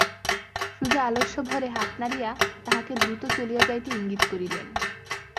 সুজা আলস্যভরে হাত নাড়িয়া তাঁহাকে দ্রুত চলিয়া যাইতে ইঙ্গিত করিলেন।